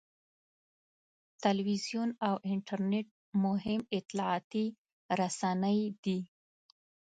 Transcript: تلویزیون او انټرنېټ مهم اطلاعاتي رسنۍ دي.